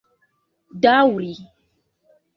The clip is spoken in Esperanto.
daŭri